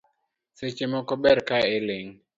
Seche moko ber ka iling